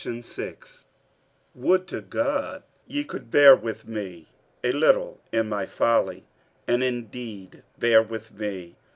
47:011:001 Would to God ye could bear with me a little in my folly: and indeed bear with me.